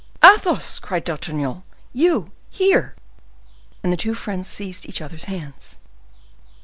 "Athos!" cried D'Artagnan, "you here!" And the two friends seized each other's hands.